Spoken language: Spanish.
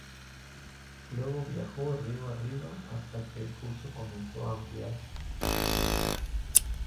Luego viajó río abajo hasta que el curso comenzó a ampliarse.